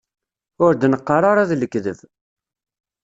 Ur d-neqqar ara d lekdeb.